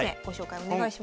お願いします。